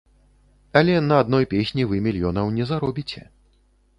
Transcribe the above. Але на адной песні вы мільёнаў не заробіце.